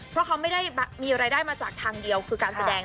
เพราะเขาไม่ได้มีรายได้มาจากทางเดียวคือการแสดง